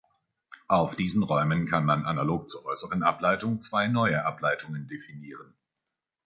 Auf diesen Räumen kann man analog zur äußeren Ableitung zwei neue Ableitungen definieren.